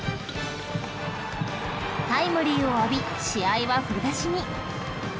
［タイムリーを浴び試合は振り出しに］